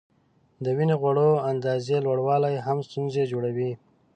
د وینې غوړو د اندازې لوړوالی هم ستونزې جوړوي.